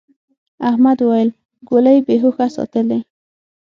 احمد وويل: گولۍ بې هوښه ساتلې.